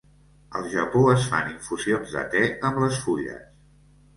Al Japó, es fan infusions de te amb les fulles.